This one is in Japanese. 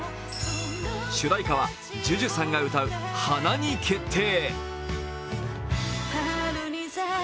主題歌はＪＵＪＵさんが歌う「花」に決定。